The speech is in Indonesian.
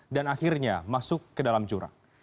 dan akhirnya masuk ke dalam jurang